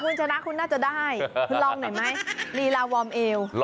คุณชนะคุณน่าจะได้คุณลองหน่อยไหมลีลาวอร์มเอว